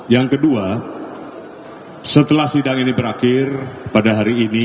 yang kedua setelah sidang ini berakhir pada hari ini